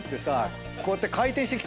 こうやって回転して来てほしい。